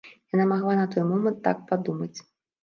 Яна магла на той момант так падумаць.